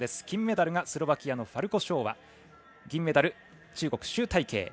金メダルがスロバキアのファルコショーワ銀メダル、中国、朱大慶。